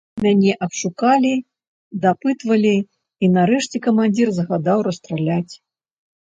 Мяне абшукалі, дапытвалі, і нарэшце камандзір загадаў расстраляць.